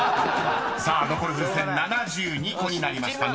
［さあ残る風船７２個になりました。